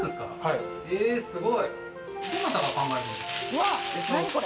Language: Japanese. どなたが考えるんですか？